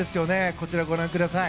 こちらご覧ください。